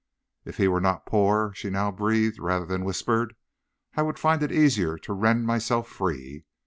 "'If he were not poor,' she now breathed rather than whispered, 'I would find it easier to rend myself free.